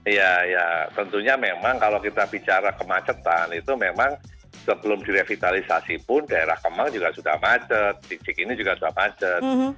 ya ya tentunya memang kalau kita bicara kemacetan itu memang sebelum direvitalisasi pun daerah kemang juga sudah macet titik ini juga sudah macet